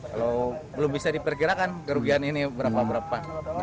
kalau belum bisa diperkirakan kerugian ini berapa berapa